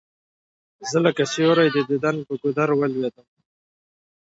زه لکه سیوری د دیدن پر گودر ولوېدلم